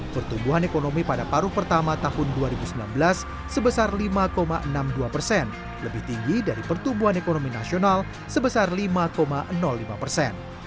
pertumbuhan ekonomi pada paruh pertama tahun dua ribu sembilan belas sebesar lima enam puluh dua persen lebih tinggi dari pertumbuhan ekonomi nasional sebesar lima lima persen